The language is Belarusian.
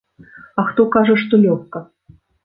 А хто кажа, што лёгка?